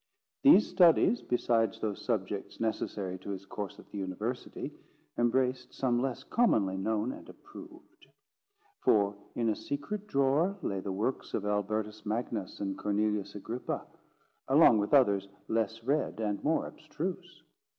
These studies, besides those subjects necessary to his course at the University, embraced some less commonly known and approved; for in a secret drawer lay the works of Albertus Magnus and Cornelius Agrippa, along with others less read and more abstruse.